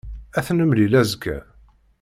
Ad t-nemlil azekka.